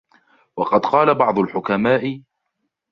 وَقَدْ قَالَ بَعْضُ الْحُكَمَاءِ